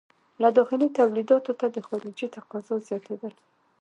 له داخلي تولیداتو ته د خارجې تقاضا زیاتېدل.